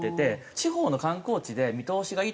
地方の観光地で見通しがいい所とか。